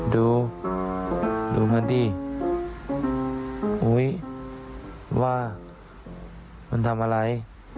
ดูดูมันดิอุ๊ยว่ามันทำอะไร